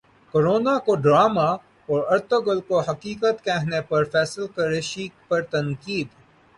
corona کو drama اور Ertugrul کو حقیقت کہنے پر فیصل قریشی پر تنقید